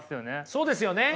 そうですよね。